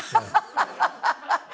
アハハハハ！